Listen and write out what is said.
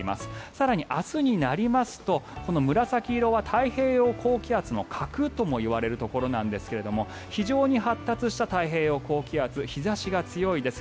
更に明日になりますと紫色は太平洋高気圧の核ともいわれるところなんですが非常に発達した太平洋高気圧日差しが強いです。